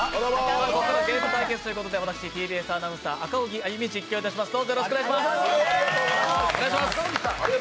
ここからゲーム対決ということで私、ＴＢＳアナウンサー・赤荻歩、実況いたします、お願いします。